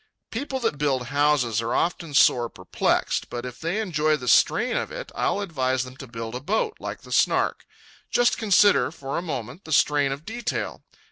People that build houses are often sore perplexed; but if they enjoy the strain of it, I'll advise them to build a boat like the Snark. Just consider, for a moment, the strain of detail.